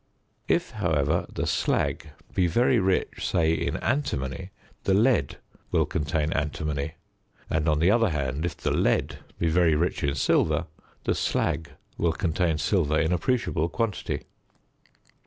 If, however, the slag be very rich, say in antimony, the lead will contain antimony; and, on the other hand, if the lead be very rich in silver, the slag will contain silver in appreciable quantity.